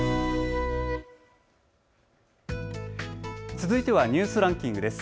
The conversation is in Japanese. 続いてはニュースランキングです。